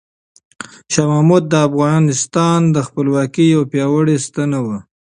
شاه محمود د افغانستان د خپلواکۍ یو پیاوړی ستنه وه.